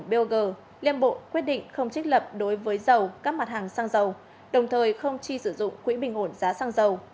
bao gồm rất nhiều hoạt động chuyên môn